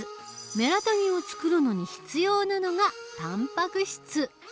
メラトニンをつくるのに必要なのがたんぱく質。